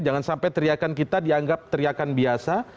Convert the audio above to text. jangan sampai teriakan kita dianggap teriakan biasa